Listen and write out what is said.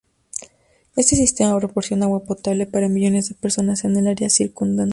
Este sistema proporciona agua potable para millones de personas en el área circundante.